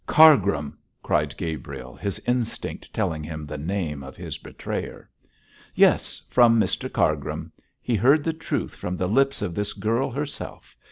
'Cargrim!' cried Gabriel, his instinct telling him the name of his betrayer. 'Yes, from Mr Cargrim. He heard the truth from the lips of this girl herself.